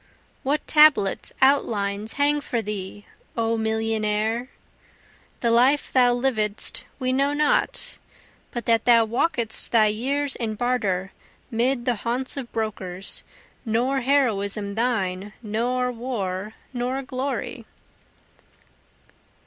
What tablets, outlines, hang for thee, O millionnaire? The life thou lived'st we know not, But that thou walk'dst thy years in barter, 'mid the haunts of brokers, Nor heroism thine, nor war, nor glory.